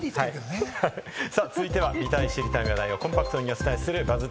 さぁ続いては見たい知りたい話題をコンパクトにお伝えするＢＵＺＺ